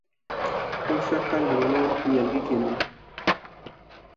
موږ سږ کال د مڼو نیالګي کېنوو